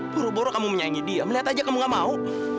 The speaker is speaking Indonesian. boroboro kamu menyaingi dia melihat aja kamu gak mau